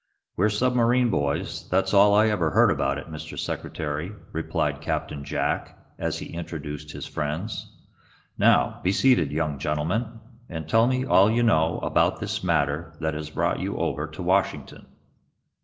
"We're submarine boys; that's all I ever heard about it, Mr. Secretary," replied Captain Jack, as he introduced his friends. "Now, be seated, young gentlemen, and tell me all you know about this matter that has brought you over to Washington."